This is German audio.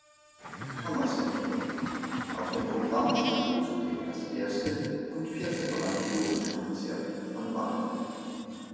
Kammersinfonie; auf dem Programm standen zudem das erste und vierte Brandenburgische Konzert von Bach.